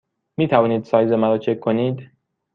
می توانید سایز مرا چک کنید؟